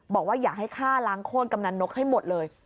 บอกว่าอย่าให้ฆ่าล้างโค้นกำนันนกให้หมดเลย